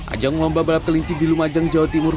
ajang lomba balap kelinci di lumajang jawa timur